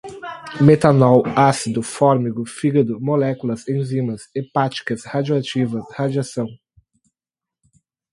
metanol, ácido fórmigo, fígado, moléculas, enzimas, hepáticas, radioativas, radiação